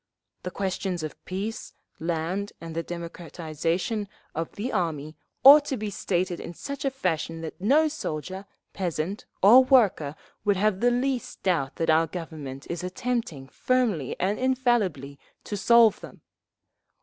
The questions of peace, land and the democratization of the army ought to be stated in such a fashion that no soldier, peasant or worker would have the least doubt that our Government is attempting, firmly and infallibly, to solve them….